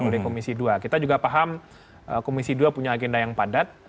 oleh komisi dua kita juga paham komisi dua punya agenda yang padat